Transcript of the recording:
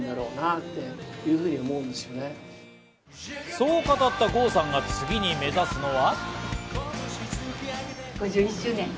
そう語った郷さんが次に目指すのは。